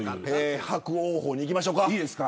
伯桜鵬にいきましょうか。